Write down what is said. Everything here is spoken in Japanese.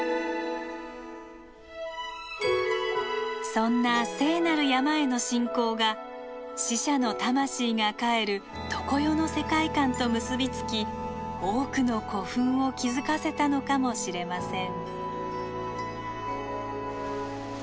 そんな聖なる山への信仰が死者の魂が帰る常世の世界観と結び付き多くの古墳を築かせたのかもしれません。